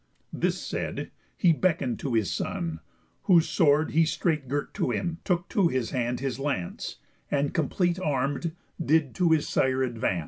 This said, he beckon'd to his son; whose sword He straight girt to him, took to hand his lance, And cómplete arm'd did to his sire advance.